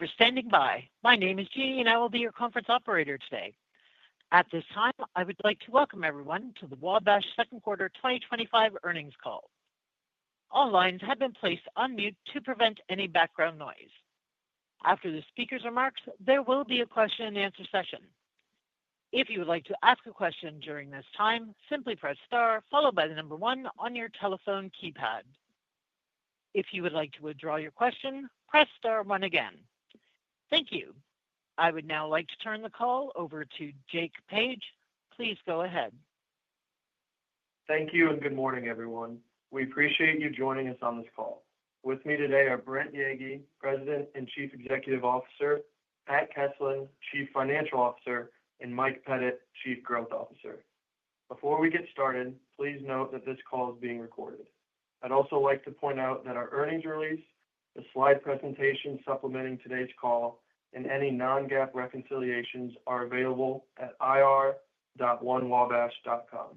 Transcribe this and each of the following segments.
Thank you for standing by. My name is Jean, and I will be your conference operator today. At this time, I would like to welcome everyone to the Wabash second quarter 2025 earnings call. All lines have been placed on mute to prevent any background noise. After the speaker's remarks, there will be a question and answer session. If you would like to ask a question during this time, simply press star, followed by the number one on your telephone keypad. If you would like to withdraw your question, press star one again. Thank you. I would now like to turn the call over to Jacob Page. Please go ahead. Thank you and good morning, everyone. We appreciate you joining us on this call. With me today are Brent Yeagy, President and Chief Executive Officer, Pat Keslin, Chief Financial Officer, and Mike Pettit, Chief Growth Officer. Before we get started, please note that this call is being recorded. I'd also like to point out that our earnings release, the slide presentation supplementing today's call, and any non-GAAP reconciliations are available at ir.1wabash.com.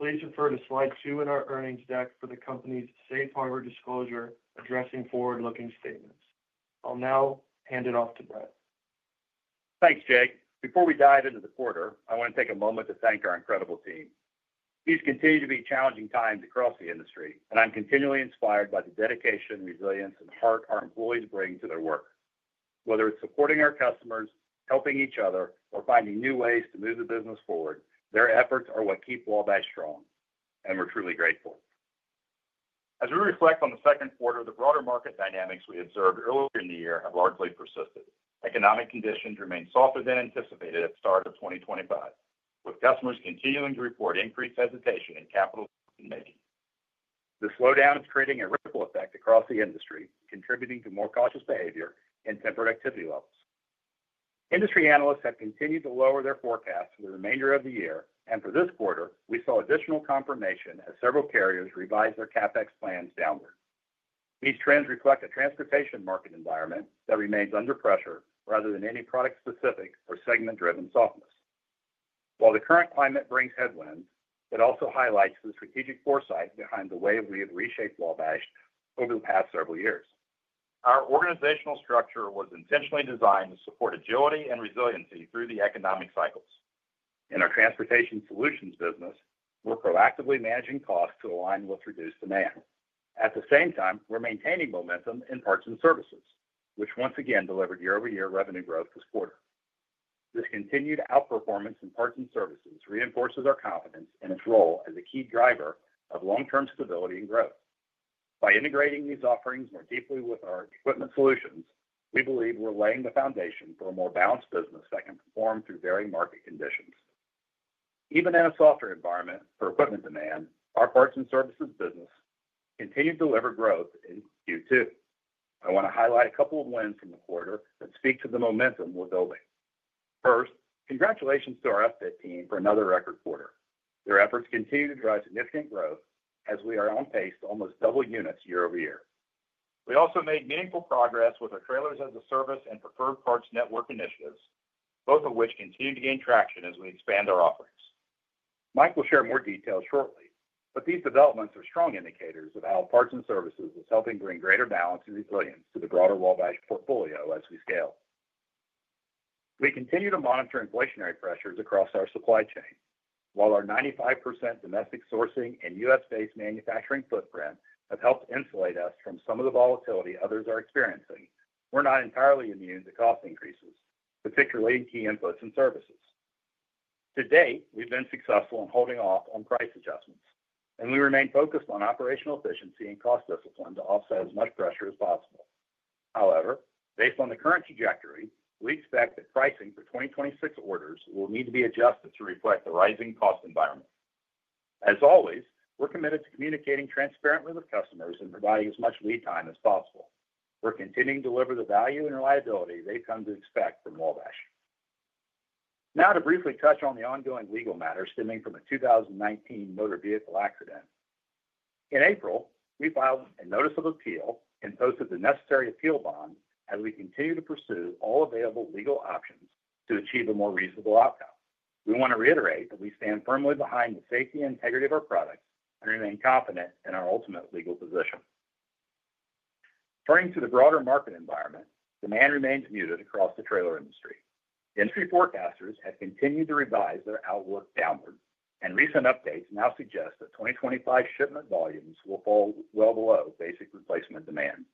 Please refer to slide two in our earnings deck for the company's safe harbor disclosure addressing forward-looking statements. I'll now hand it off to Brent. Thanks, Jake. Before we dive into the quarter, I want to take a moment to thank our incredible team. These continue to be challenging times across the industry, and I'm continually inspired by the dedication, resilience, and heart our employees bring to their work. Whether it's supporting our customers, helping each other, or finding new ways to move the business forward, their efforts are what keep Wabash strong, and we're truly grateful. As we reflect on the second quarter, the broader market dynamics we observed earlier in the year have largely persisted. Economic conditions remain softer than anticipated at the start of 2025, with customers continuing to report increased hesitation in capital decision-making. The slowdown is creating a ripple effect across the industry, contributing to more cautious behavior and tempered activity levels. Industry analysts have continued to lower their forecasts for the remainder of the year, and for this quarter, we saw additional confirmation as several carriers revised their CapEx plans downward. These trends reflect a transportation market environment that remains under pressure rather than any product-specific or segment-driven softness. While the current climate brings headwinds, it also highlights the strategic foresight behind the way we have reshaped Wabash over the past several years. Our organizational structure was intentionally designed to support agility and resiliency through the economic cycles. In our transportation solutions business, we're proactively managing costs to align with reduced demand. At the same time, we're maintaining momentum in Parts and Services, which once again delivered year-over-year revenue growth this quarter. This continued outperformance in Parts and Services reinforces our confidence in its role as a key driver of long-term stability and growth. By integrating these offerings more deeply with our equipment solutions, we believe we're laying the foundation for a more balanced business that can perform through varying market conditions. Even in a softer environment for equipment demand, our Parts and Services business continues to deliver growth in Q2. I want to highlight a couple of wins from the quarter that speak to the momentum we're building. First, congratulations to our F-15 for another record quarter. Their efforts continue to drive significant growth as we are on pace to almost double units year over year. We also made meaningful progress with our as a service and Preferred Partner Network initiatives, both of which continue to gain traction as we expand our offerings. Mike will share more details shortly, but these developments are strong indicators of how Parts and Services is helping bring greater balance and resilience to the broader Wabash portfolio as we scale. We continue to monitor inflationary pressures across our supply chain. While our 95% domestic sourcing and U.S.-based manufacturing footprint have helped insulate us from some of the volatility others are experiencing, we're not entirely immune to cost increases, particularly in key inputs and services. To date, we've been successful in holding off on price adjustments, and we remain focused on operational efficiency and cost discipline to offset as much pressure as possible. However, based on the current trajectory, we expect that pricing for 2026 orders will need to be adjusted to reflect the rising cost environment. As always, we're committed to communicating transparently with customers and providing as much lead time as possible. We're continuing to deliver the value and reliability they've come to expect from Wabash. Now to briefly touch on the ongoing legal matters stemming from the 2019 motor vehicle accident. In April, we filed a notice of appeal and posted the necessary appeal bond as we continue to pursue all available legal options to achieve a more reasonable outcome. We want to reiterate that we stand firmly behind the safety and integrity of our product and remain confident in our ultimate legal position. Turning to the broader market environment, demand remains muted across the trailer industry. Industry forecasters have continued to revise their outlook downward, and recent updates now suggest that 2025 shipment volumes will fall well below basic replacement demand.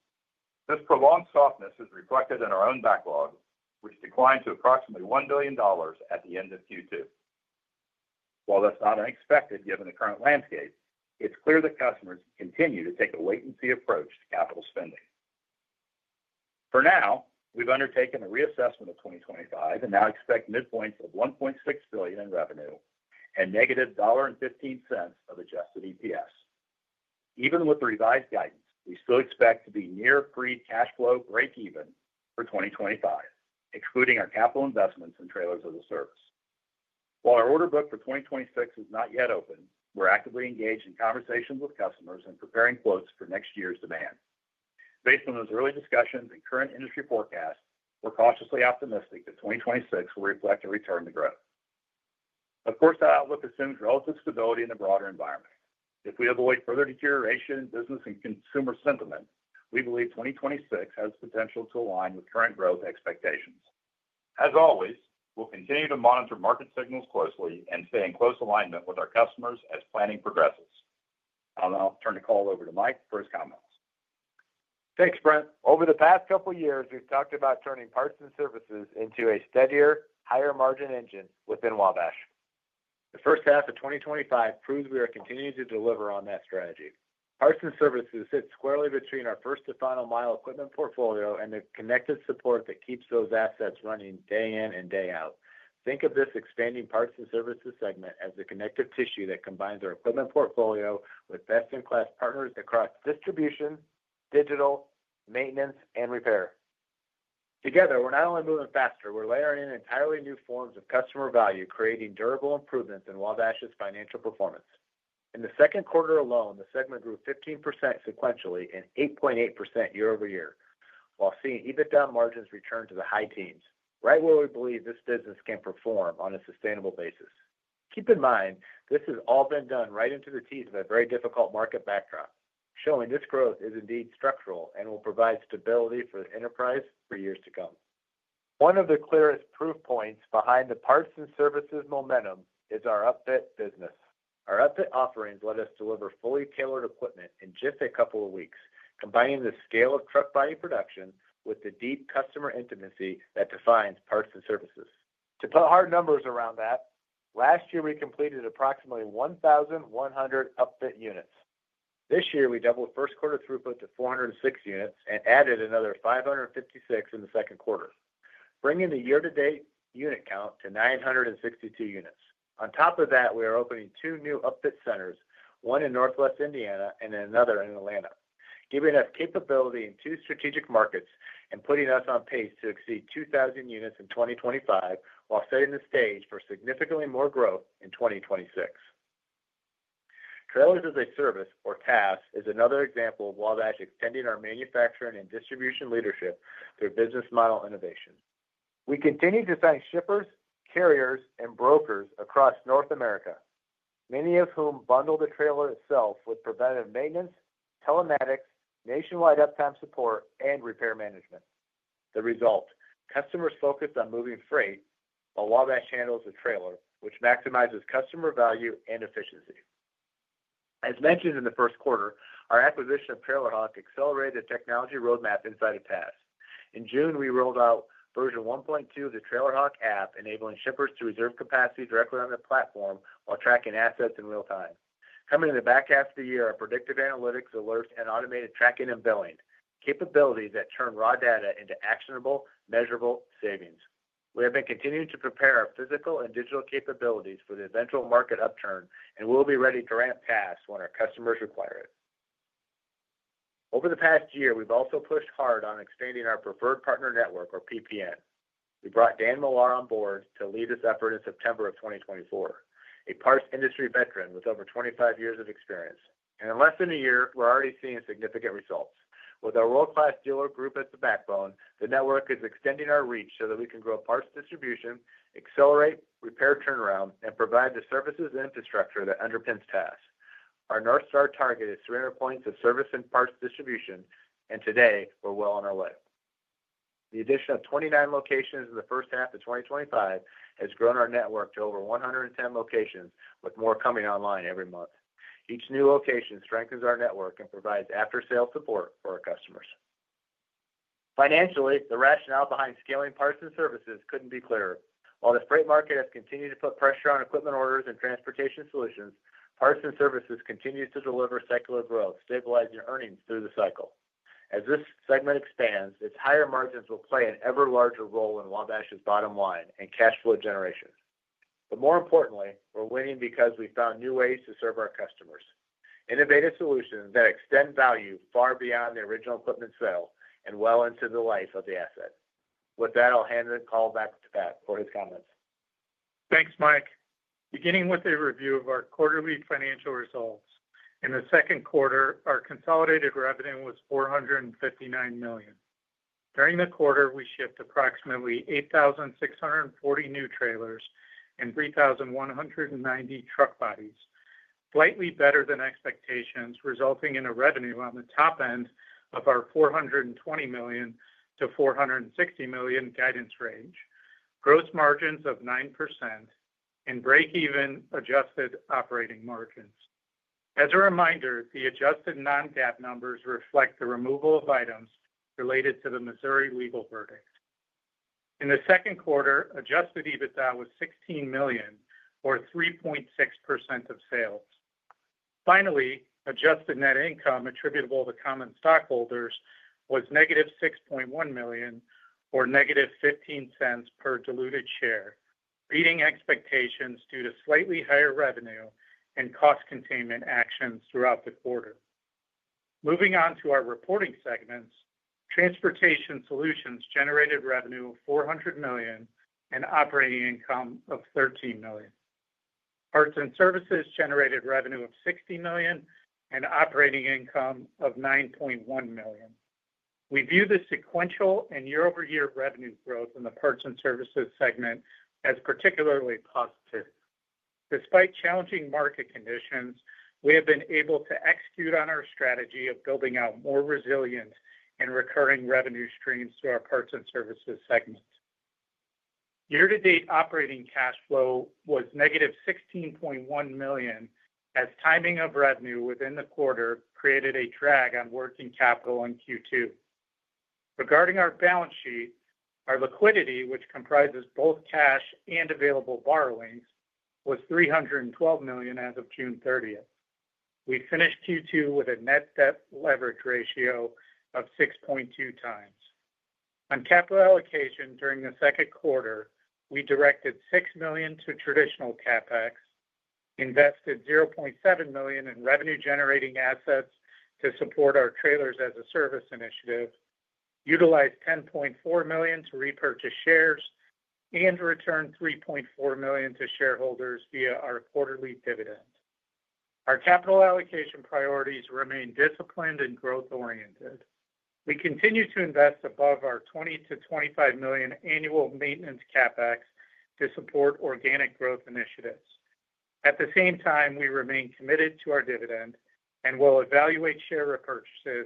This prolonged softness is reflected in our own backlog, which declined to approximately $1 billion at the end of Q2. While that's not unexpected given the current landscape, it's clear that customers continue to take a latency approach to capital spending. For now, we've undertaken a reassessment of 2025 and now expect midpoints of $1.6 billion in revenue and -$1.15 of adjusted EPS. Even with the revised guidance, we still expect to be near free cash flow breakeven for 2025, excluding our capital investments in Trailers as a Service. While our order book for 2026 is not yet open, we're actively engaged in conversations with customers and preparing quotes for next year's demand. Based on those early discussions and current industry forecasts, we're cautiously optimistic that 2026 will reflect a return to growth. Of course, our outlook assumes relative stability in the broader environment. If we avoid further deterioration in business and consumer sentiment, we believe 2026 has the potential to align with current growth expectations. As always, we'll continue to monitor market signals closely and stay in close alignment with our customers as planning progresses. I'll now turn the call over to Mike for his comments. Thanks, Brent. Over the past couple of years, we've talked about turning Parts and Services into a steadier, higher margin engine within Wabash. The first half of 2025 proves we are continuing to deliver on that strategy. Parts and Services sit squarely between our first to final mile equipment portfolio and the connective support that keeps those assets running day in and day out. Think of this expanding Parts and Services segment as the connective tissue that combines our equipment portfolio with best-in-class partners across distribution, digital, maintenance, and repair. Together, we're not only moving faster, we're layering in entirely new forms of customer value, creating durable improvements in Wabash's financial performance. In the second quarter alone, the segment grew 15% sequentially and 8.8% year-over-year, while seeing EBITDA margins return to the high teens, right where we believe this business can perform on a sustainable basis. Keep in mind, this has all been done right into the teeth of a very difficult market backdrop, showing this growth is indeed structural and will provide stability for the enterprise for years to come. One of the clearest proof points behind the Parts and Services momentum is our upfit business. Our upfit offerings let us deliver fully tailored equipment in just a couple of weeks, combining the scale of truck body production with the deep customer intimacy that defines Parts and Services. To put hard numbers around that, last year we completed approximately 1,100 upfit units. This year we doubled first quarter throughput to 406 units and added another 556 in the second quarter, bringing the year-to-date unit count to 962 units. On top of that, we are opening two new upfit centers, one in Northwest Indiana and another in Atlanta, giving us capability in two strategic markets and putting us on pace to exceed 2,000 units in 2025, while setting the stage for significantly more growth in 2026. Trailers as a Service, or TaaS, is another example of Wabash extending our manufacturing and distribution leadership through business model innovation. We continue to thank shippers, carriers, and brokers across North America, many of whom bundle the trailer itself with preventative maintenance, telematics, nationwide uptime support, and repair management. The result: customers focus on moving freight, while Wabash handles the trailer, which maximizes customer value and efficiency. As mentioned in the first quarter, our acquisition of TrailerHawk accelerated the technology roadmap inside of TaaS. In June, we rolled out version 1.2 of the TrailerHawk app, enabling shippers to reserve capacity directly on the platform while tracking assets in real time. Coming in the back half of the year, our predictive analytics alerts and automated tracking and billing capabilities turn raw data into actionable, measurable savings. We have been continuing to prepare our physical and digital capabilities for the eventual market upturn and will be ready to ramp TaaS when our customers require it. Over the past year, we've also pushed hard on expanding our Preferred Partner Network, or PPN. We brought Dan Millar on board to lead this effort in September of 2024, a parts industry veteran with over 25 years of experience. In less than a year, we're already seeing significant results. With our world-class dealer group at the backbone, the network is extending our reach so that we can grow parts distribution, accelerate repair turnaround, and provide the services and infrastructure that underpins TaaS. Our North Star target is 300 points of service and parts distribution, and today we're well on our way. The addition of 29 locations in the first half of 2025 has grown our network to over 110 locations, with more coming online every month. Each new location strengthens our network and provides after-sales support for our customers. Financially, the rationale behind scaling Parts and Services couldn't be clearer. While the freight market has continued to put pressure on equipment orders and transportation solutions, Parts and Services continue to deliver secular growth, stabilizing earnings through the cycle. As this segment expands, its higher margins will play an ever larger role in Wabash's bottom line and cash flow generation. More importantly, we're winning because we found new ways to serve our customers: innovative solutions that extend value far beyond the original equipment sale and well into the life of the asset. With that, I'll hand the call back to Pat for his comments. Thanks, Mike. Beginning with a review of our quarterly financial results, in the second quarter, our consolidated revenue was $459 million. During the quarter, we shipped approximately 8,640 new trailers and 3,190 truck bodies, slightly better than expectations, resulting in a revenue on the top end of our $420 million-$460 million guidance range, gross margins of 9%, and breakeven adjusted operating margins. As a reminder, the adjusted non-GAAP numbers reflect the removal of items related to the Missouri legal verdict. In the second quarter, adjusted EBITDA was $16 million, or 3.6% of sales. Finally, adjusted net income attributable to common stockholders was -$6.1 million, or -$0.15 per diluted share, beating expectations due to slightly higher revenue and cost containment actions throughout the quarter. Moving on to our reporting segments, transportation solutions generated revenue of $400 million and operating income of $13 million. Parts and Services generated revenue of $60 million and operating income of $9.1 million. We view the sequential and year-over-year revenue growth in the Parts and Services segment as particularly positive. Despite challenging market conditions, we have been able to execute on our strategy of building out more resilience and recurring revenue streams through our Parts and Services segment. Year-to-date operating cash flow was -$16.1 million as timing of revenue within the quarter created a drag on working capital in Q2. Regarding our balance sheet, our liquidity, which comprises both cash and available borrowings, was $312 million as of June 30th. We finished Q2 with a net debt leverage ratio of 6.2 times. On capital allocation during the second quarter, we directed $6 million to traditional CapEx, invested $700,000 in revenue-generating assets to support our Trailers as a Service initiative, utilized $10.4 million to repurchase shares, and returned $3.4 million to shareholders via our quarterly dividend. Our capital allocation priorities remain disciplined and growth-oriented. We continue to invest above our $20 million-$25 million annual maintenance CapEx to support organic growth initiatives. At the same time, we remain committed to our dividend and will evaluate share repurchases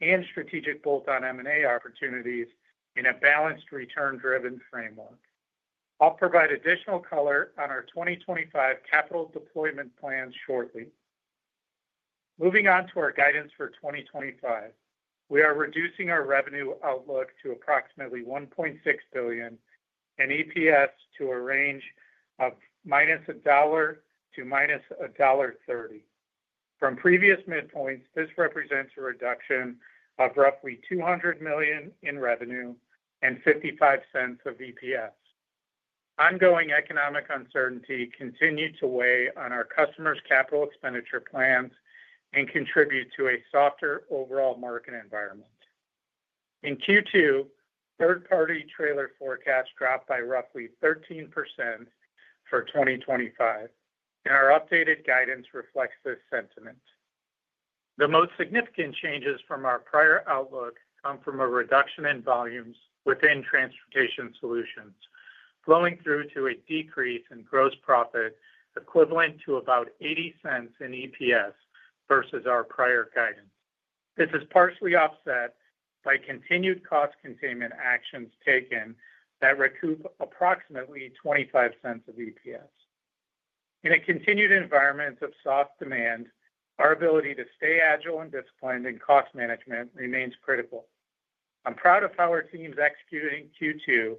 and strategic bolt-on M&A opportunities in a balanced return-driven framework. I'll provide additional color on our 2025 capital deployment plans shortly. Moving on to our guidance for 2025, we are reducing our revenue outlook to approximately $1.6 billion and EPS to a range of -$1 to -$1.30. From previous midpoints, this represents a reduction of roughly $200 million in revenue and $0.55 of EPS. Ongoing economic uncertainty continues to weigh on our customers' capital expenditure plans and contributes to a softer overall market environment. In Q2, third-party trailer forecasts dropped by roughly 13% for 2025, and our updated guidance reflects this sentiment. The most significant changes from our prior outlook come from a reduction in volumes within transportation solutions, flowing through to a decrease in gross profit equivalent to about $0.80 in EPS versus our prior guidance. This is partially offset by continued cost containment actions taken that recoup approximately $0.25 of EPS. In a continued environment of soft demand, our ability to stay agile and disciplined in cost management remains critical. I'm proud of how our teams executed in Q2.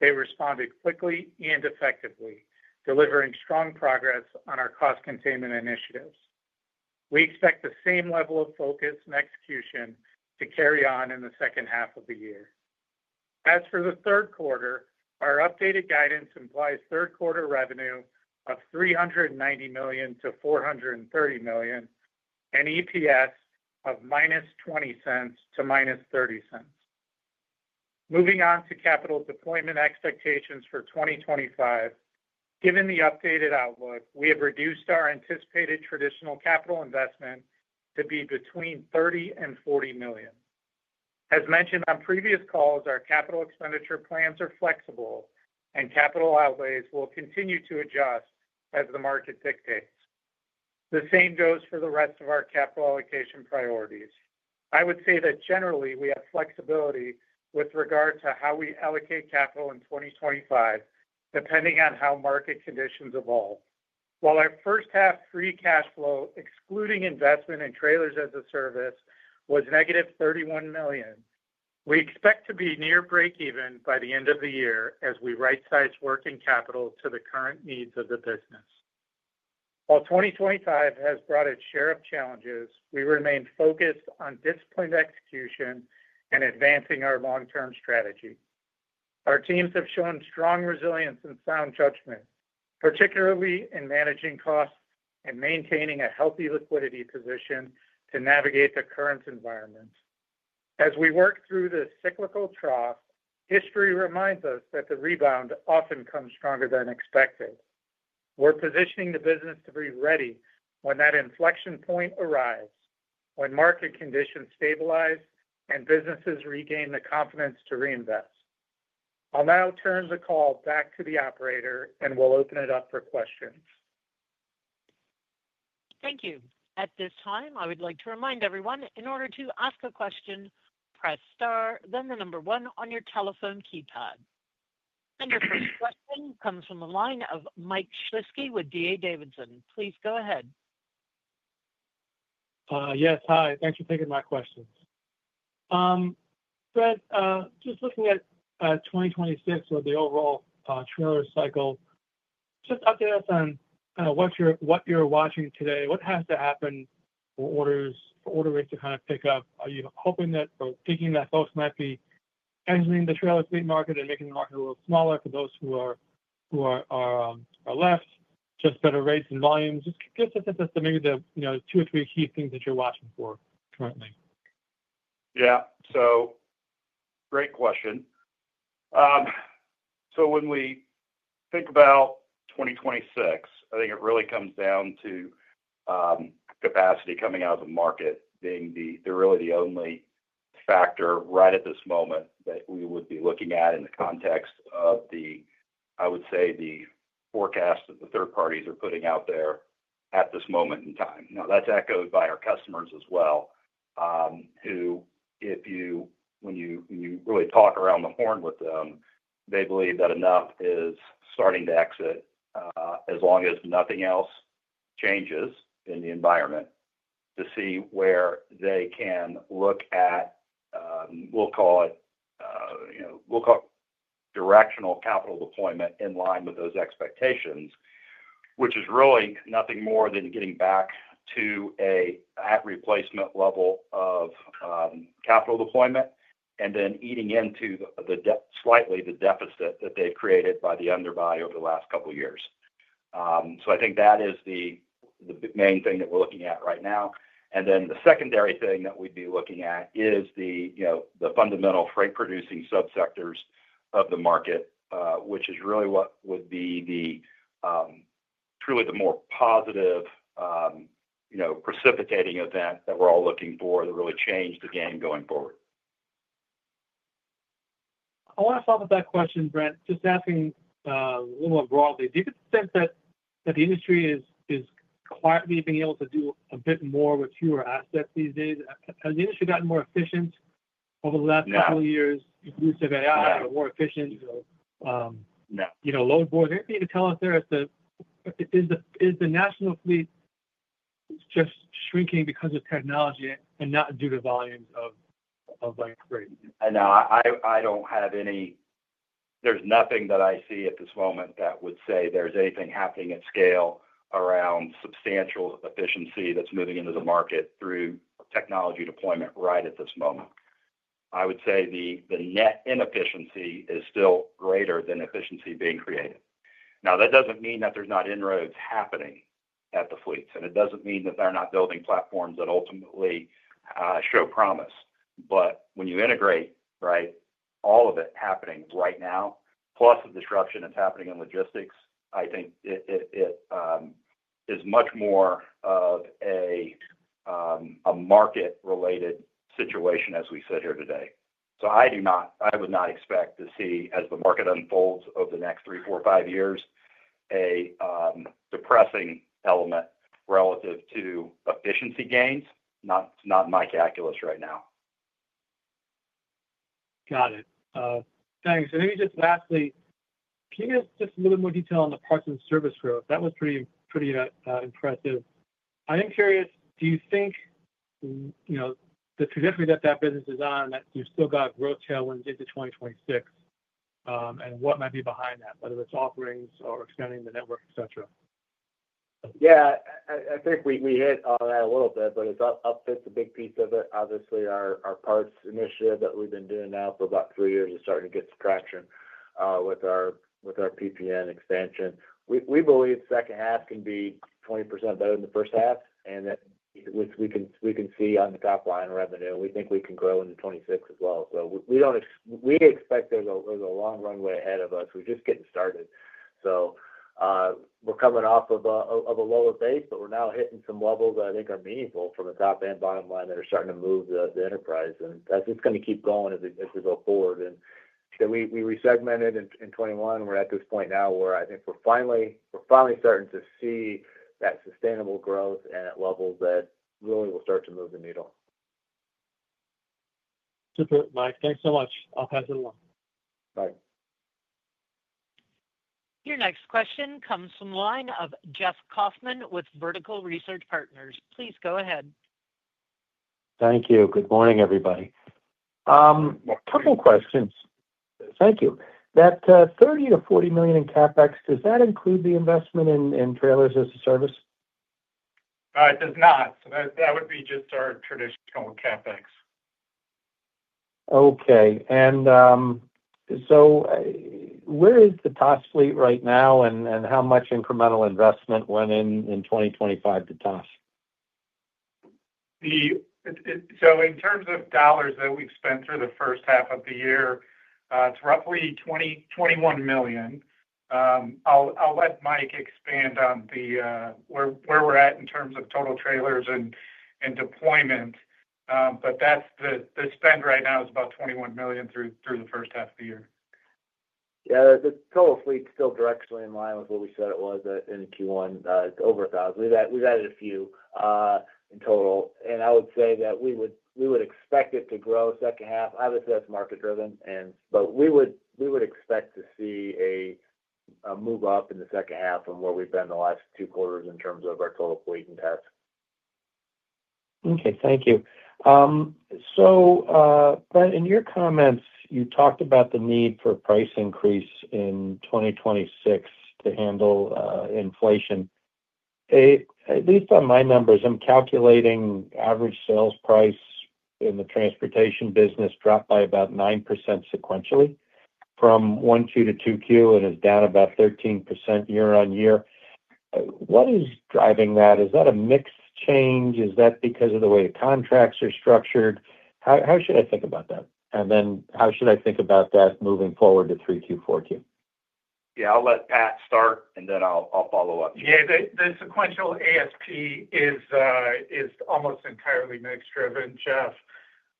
They responded quickly and effectively, delivering strong progress on our cost containment initiatives. We expect the same level of focus and execution to carry on in the second half of the year. As for the third quarter, our updated guidance implies 3/4 revenue of $390 million-$430 million and EPS of -$0.20 to-$0.30. Moving on to capital deployment expectations for 2025, given the updated outlook, we have reduced our anticipated traditional capital investment to be between $30 million and $40 million. As mentioned on previous calls, our capital expenditure plans are flexible, and capital outlays will continue to adjust as the market dictates. The same goes for the rest of our capital allocation priorities. I would say that generally we have flexibility with regard to how we allocate capital in 2025, depending on how market conditions evolve. While our first half free cash flow, excluding investment in Trailers as a Service, was -$31 million, we expect to be near breakeven by the end of the year as we right-size working capital to the current needs of the business. While 2025 has brought its share of challenges, we remain focused on disciplined execution and advancing our long-term strategy. Our teams have shown strong resilience and sound judgment, particularly in managing costs and maintaining a healthy liquidity position to navigate the current environment. As we work through this cyclical trough, history reminds us that the rebound often comes stronger than expected. We're positioning the business to be ready when that inflection point arrives, when market conditions stabilize and businesses regain the confidence to reinvest. I'll now turn the call back to the operator, and we'll open it up for questions. Thank you. At this time, I would like to remind everyone in order to ask a question, press star, then the number one on your telephone keypad. Your first question comes from the line of Michael Shlisky with D.A. Davidson. Please go ahead. Yes, hi. Thanks for taking my question. Brent, just looking at 2026 with the overall trailer cycle, just update us on kind of what you're watching today. What has to happen for order rates to pick up? Are you hoping that or thinking that folks might be entering the trailer fleet market and making the market a little smaller for those who are left? Just better rates and volumes. Just give us a sense as to maybe the two or three key things that you're watching for currently. Yeah, great question. When we think about 2026, I think it really comes down to capacity coming out of the market being really the only factor right at this moment that we would be looking at in the context of the forecast that the third parties are putting out there at this moment in time. That's echoed by our customers as well, who, when you really talk around the horn with them, believe that enough is starting to exit, as long as nothing else changes in the environment, to see where they can look at, we'll call it, directional capital deployment in line with those expectations, which is really nothing more than getting back to an at-replacement level of capital deployment and then eating into the slightly the deficit that they've created by the underbuy over the last couple of years. I think that is the main thing that we're looking at right now. The secondary thing that we'd be looking at is the fundamental freight-producing subsectors of the market, which is really what would be the truly more positive, precipitating event that we're all looking for to really change the game going forward. I want to follow up with that question, Brent, just asking a little more broadly. Do you get the sense that the industry is quietly being able to do a bit more with fewer assets these days? Has the industry gotten more efficient over the last couple of years? Yeah. The use of AI, the more efficient load boards. Anything you can tell us there, is the national fleet just shrinking because of technology and not due to volumes of freight? No, I don't have any, there's nothing that I see at this moment that would say there's anything happening at scale around substantial efficiency that's moving into the market through technology deployment right at this moment. I would say the net inefficiency is still greater than efficiency being created. That doesn't mean that there's not inroads happening at the fleets, and it doesn't mean that they're not building platforms that ultimately show promise. When you integrate all of it happening right now, plus the disruption that's happening in logistics, I think it is much more of a market-related situation as we sit here today. I do not, I would not expect to see, as the market unfolds over the next three, four, five years, a depressing element relative to efficiency gains, not in my calculus right now. Got it. Thanks. Maybe just lastly, can you give us just a little bit more detail on the Parts and Services growth? That was pretty, pretty impressive. I am curious, do you think, you know, the trajectory that that business is on and that you've still got growth tailwinds into 2026, and what might be behind that, whether it's offerings or expanding the network, etc.? Yeah, I think we hit on that a little bit, but upfit's a big piece of it. Obviously, our parts initiative that we've been doing now for about three years is starting to get some traction, with our PPN expansion. We believe the second half can be 20% better than the first half, and that we can see that on the top line of revenue. We think we can grow in 2026 as well. We expect there's a long runway ahead of us. We're just getting started. We're coming off of a lower base, but we're now hitting some levels that I think are meaningful from the top and bottom line that are starting to move the enterprise. That's just going to keep going as we go forward. We resegmented in 2021. We're at this point now where I think we're finally starting to see that sustainable growth at levels that really will start to move the needle. Super, Mike. Thanks so much. I'll pass it along. Bye. Your next question comes from the line of Jeff Kauffman with Vertical Research Partners. Please go ahead. Thank you. Good morning, everybody. A couple of questions. Thank you. That $30-$40 million in CapEx, does that include the investment in Trailers as a Service? It does not. That would be just our traditional CapEx. Okay. Where is the TaaS fleet right now, and how much incremental investment went in in 2025 to TaaS? In terms of dollars that we've spent through the first half of the year, it's roughly $21 million. I'll let Mike expand on where we're at in terms of total trailers and deployment, but that's the spend right now, about $21 million through the first half of the year. Yeah, the total fleet still directs to in line with what we said it was in Q1. It's over 1,000. We've added a few in total. I would say that we would expect it to grow second half. Obviously, that's market-driven, but we would expect to see a move up in the second half from where we've been the last two quarters in terms of our total fleet and TOS. Thank you. Brent, in your comments, you talked about the need for a price increase in 2026 to handle inflation. At least on my numbers, I'm calculating average sales price in the transportation business dropped by about 9% sequentially from 1Q to 2Q and is down about 13% year-on-year. What is driving that? Is that a mix change? Is that because of the way contracts are structured? How should I think about that? How should I think about that moving forward to 3Q, 4Q? Yeah, I'll let Pat start, and then I'll follow up. Yeah, the sequential ASP is almost entirely mix-driven, Jeff.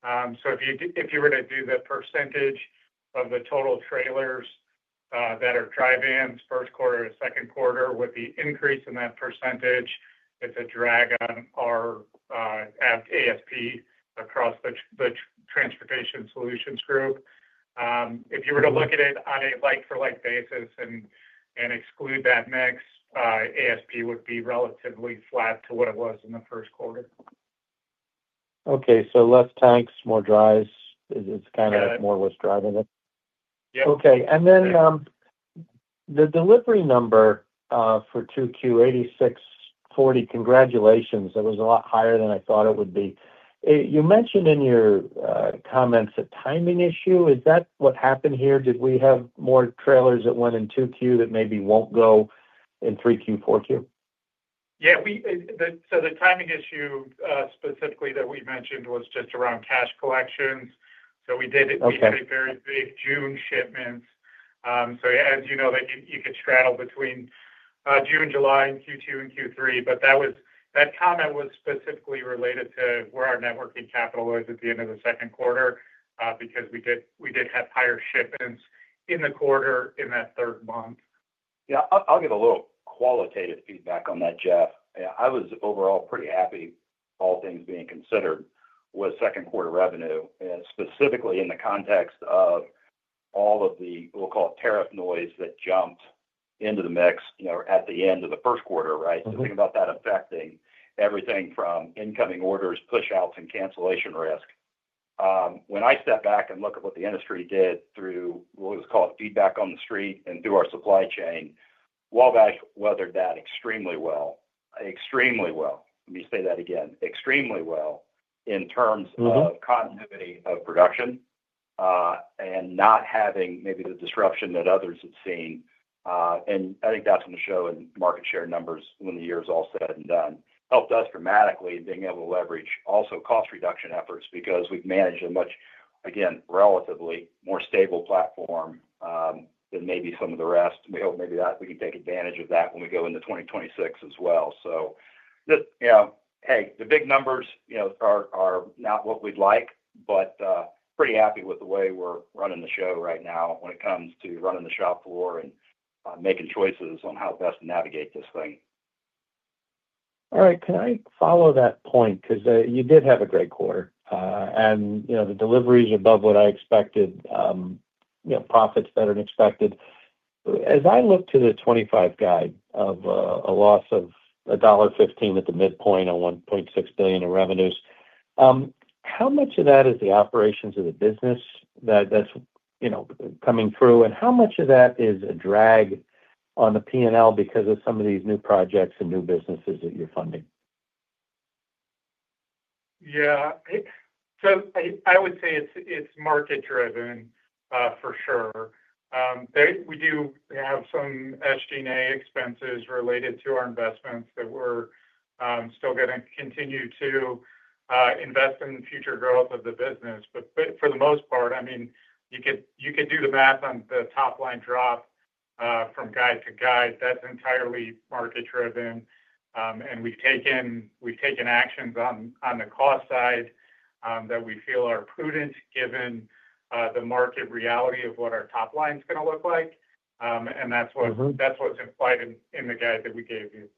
If you were to do the percentage of the total trailers that are dry vans first quarter and second quarter with the increase in that percentage, it's a drag on our ASP across the Transportation Solutions group. If you were to look at it on a like-for-like basis and exclude that mix, ASP would be relatively flat to what it was in the first quarter. Okay. Less tanks, more dries. It's kind of more what's driving it. Yep. Okay. The delivery number for 2Q8640, congratulations. That was a lot higher than I thought it would be. You mentioned in your comments a timing issue. Is that what happened here? Did we have more trailers that went in 2Q that maybe won't go in 3Q, 4Q? Yeah, the timing issue specifically that we mentioned was just around cash collections. We did it with a very big June shipment. As you know, that could straddle between June and July and Q2 and Q3. That comment was specifically related to where our networking capital was at the end of the second quarter because we did have higher shipments in the quarter in that third month. Yeah, I'll give a little qualitative feedback on that, Jeff. I was overall pretty happy, all things being considered, with second quarter revenue, specifically in the context of all of the, we'll call it, tariff noise that jumped into the mix at the end of the first quarter, right? The thing about that affecting everything from incoming orders, push-outs, and cancellation risk. When I step back and look at what the industry did through what was called feedback on the street and through our supply chain, Wabash weathered that extremely well. Extremely well. Let me say that again. Extremely well in terms of continuity of production, and not having maybe the disruption that others had seen. I think that's going to show in market share numbers when the year's all said and done. Helped us dramatically in being able to leverage also cost reduction efforts because we've managed a much, again, relatively more stable platform than maybe some of the rest. We hope maybe that we can take advantage of that when we go into 2026 as well. Just, you know, hey, the big numbers are not what we'd like, but pretty happy with the way we're running the show right now when it comes to running the shop floor and making choices on how best to navigate this thing. All right. Can I follow that point? You did have a great quarter, and the deliveries are above what I expected, profits better than expected. As I look to the 2025 guide of a loss of $1.15 at the midpoint on $1.6 billion in revenues, how much of that is the operations of the business that's coming through, and how much of that is a drag on the P&L because of some of these new projects and new businesses that you're funding? Yeah. I would say it's market-driven, for sure. We do have some SG&A expenses related to our investments that we're still getting. Continue to invest in the future growth of the business. For the most part, you could do the math on the top line drop from guide to guide. That's entirely market-driven. We've taken actions on the cost side that we feel are prudent given the market reality of what our top line is going to look like. That's what's implied in the guide that we gave you.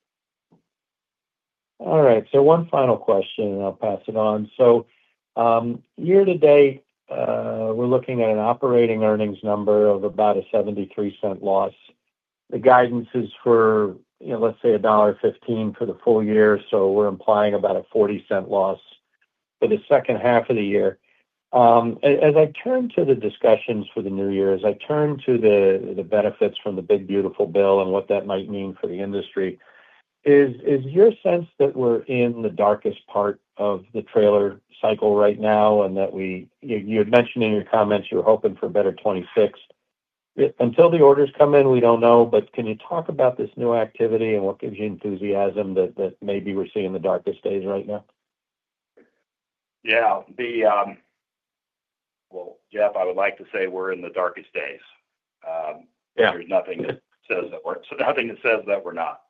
All right. One final question, and I'll pass it on. Year to date, we're looking at an operating earnings number of about a $0.73 loss. The guidance is for, you know, let's say $1.15 for the full year. We're implying about a $0.40 loss for the second half of the year. As I turn to the discussions for the new year, as I turn to the benefits from the big beautiful bill and what that might mean for the industry, is your sense that we're in the darkest part of the trailer cycle right now and that we, you had mentioned in your comments you were hoping for a better 2026? Until the orders come in, we don't know. Can you talk about this new activity and what gives you enthusiasm that maybe we're seeing the darkest days right now? Yeah. Jeff, I would like to say we're in the darkest days. There's nothing that says that we're not.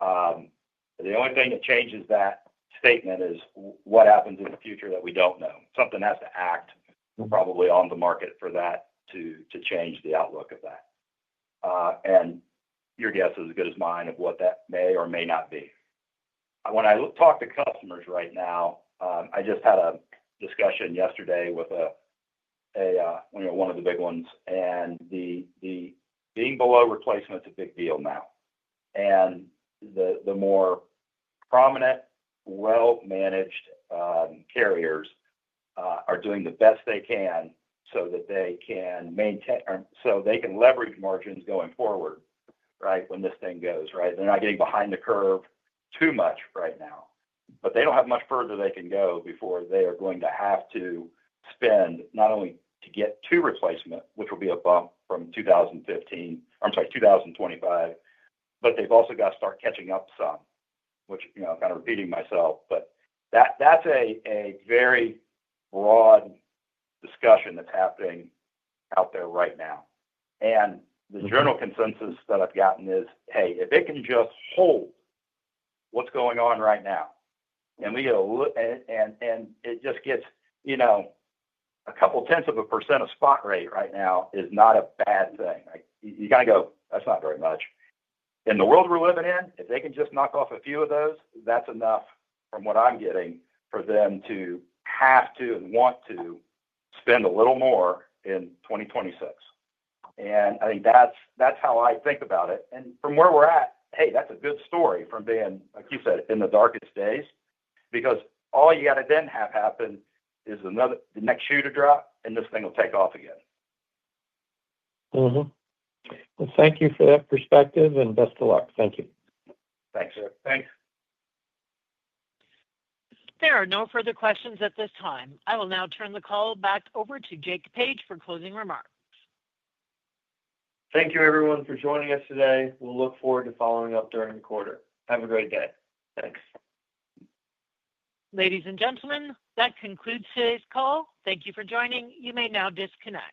The only thing that changes that statement is what happens in the future that we don't know. Something has to act probably on the market for that to change the outlook of that. Your guess is as good as mine of what that may or may not be. When I talk to customers right now, I just had a discussion yesterday with one of the big ones. Being below replacement is a big deal now. The more prominent, well-managed carriers are doing the best they can so that they can maintain, so they can leverage margins going forward, right, when this thing goes, right? They're not getting behind the curve too much right now. They don't have much further they can go before they are going to have to spend not only to get to replacement, which will be a bump from 2015, I'm sorry, 2025, but they've also got to start catching up some, which, kind of repeating myself, but that's a very broad discussion that's happening out there right now. The general consensus that I've gotten is, hey, if they can just hold what's going on right now and we get a little, and it just gets a couple of tenths of a percent of spot rate right now, it's not a bad thing. You kind of go, that's not very much. In the world we're living in, if they can just knock off a few of those, that's enough from what I'm getting for them to have to and want to spend a little more in 2026. I think that's how I think about it. From where we're at, hey, that's a good story from being, like you said, in the darkest days because all you got to then have happen is the next shoe to drop and this thing will take off again. Thank you for that perspective and best of luck. Thank you. Thanks, Jeff. Thanks. There are no further questions at this time. I will now turn the call back over to Jacob Page for closing remarks. Thank you, everyone, for joining us today. We'll look forward to following up during the quarter. Have a great day. Thanks. Ladies and gentlemen, that concludes today's call. Thank you for joining. You may now disconnect.